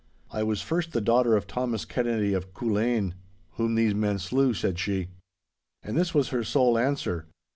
'I was first the daughter of Thomas Kennedy of Culzean, whom these men slew!' said she. And this was her sole answer.